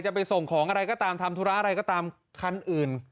ไปส่งของอะไรก็ตามทำธุระอะไรก็ตามคันอื่น